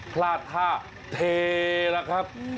พลาดท่าเทแล้วครับ